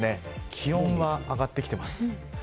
気温は上がってきています。